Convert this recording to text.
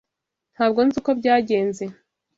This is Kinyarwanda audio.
Ntabwo nzi uko byagenze.